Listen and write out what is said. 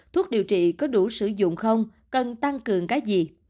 thuốc điều trị có đủ sử dụng không cần tăng cường cái gì